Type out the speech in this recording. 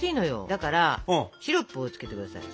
だからシロップをつけて下さい。